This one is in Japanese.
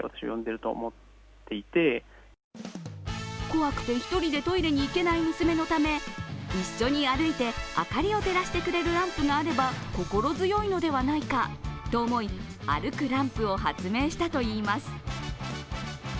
怖くて１人でトイレに行けない娘のため、一緒に歩いて明かりを照らしてくれるランプがあれば心強いのではないかと思い、歩くランプを発明したといいます。